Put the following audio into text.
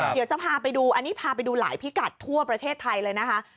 เดี๋ยวจะพาไปดูอันนี้พาไปดูหลายพิกัดทั่วประเทศไทยเลยนะคะ